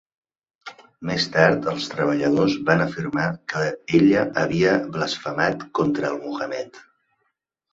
Més tard els treballadors van afirmar que ella havia blasfemat contra el Muhammed.